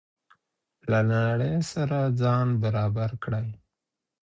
له نړۍ سره ځان برابر کړئ.